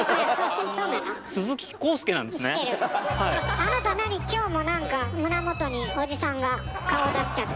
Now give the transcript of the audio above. あなた何今日も何か胸元におじさんが顔を出しちゃって。